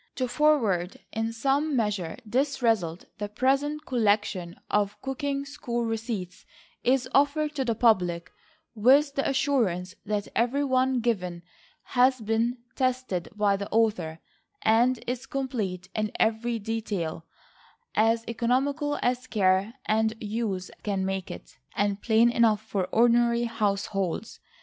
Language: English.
To forward in some measure this result, the present collection of COOKING SCHOOL receipts is offered to the public, with the assurance that every one given has been tested by the author, and is complete in every detail, as economical as care and use can make it, and plain enough for ordinary households.